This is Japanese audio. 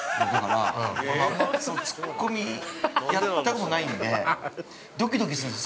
◆俺もあんまりツッコミやったことないんで、どきどきするんです。